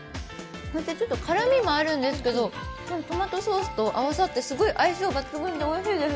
ちょっと辛みもあるんですけど、トマトソースと合わさってすごい相性抜群でおいしいです。